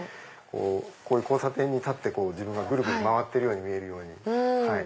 こういう交差点に立って自分がぐるぐる回ってるように見えるように。